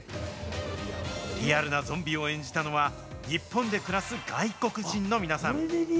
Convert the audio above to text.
リアルなゾンビを演じたのは、日本で暮らす外国人の皆さん。